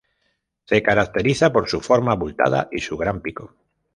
Se caracteriza por su forma abultada y su gran pico.